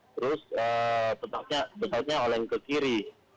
terus besarnya oleng ke kiri